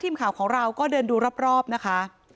ทีมข่าวของเราก็เดินดูรอบนะคะ